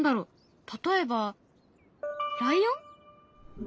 例えばライオン？